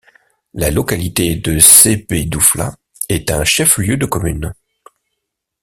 La localité de Sébédoufla est un chef-lieu de commune.